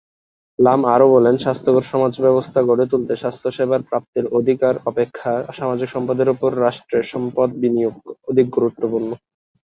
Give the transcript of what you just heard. লাম আরও বলেন, স্বাস্থ্যকর সমাজ ব্যবস্থা গড়ে তুলতে স্বাস্থ্যসেবার প্রাপ্তির অধিকার অপেক্ষা সামাজিক সম্পদের উপর রাষ্ট্রের সম্পদ বিনিয়োগ অধিক গুরুত্বপূর্ণ।